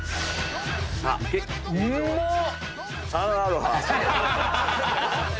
うまっ！